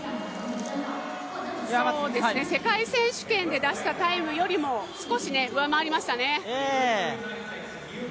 世界選手権で出したタイムよりも少し上回りましたね。